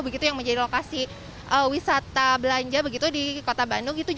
begitu yang menjadi lokasi wisata belanja begitu di kota bandung